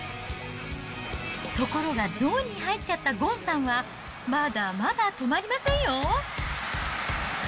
ところがゾーンに入っちゃったゴンさんは、まだまだ止まりませんよ。